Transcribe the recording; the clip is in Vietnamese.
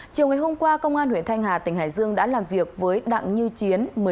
chiều ngày hôm qua công an huyện thanh hà tỉnh hải dương đã làm việc với đặng như chiến